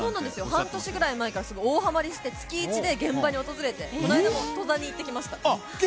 半年ぐらい前からすごい大ハマりしていて、月１で現場に訪れて、この間も戸田に行ってきました。